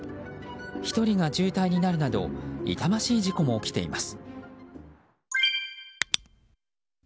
１人が重体になるなど痛ましい事故も起きています。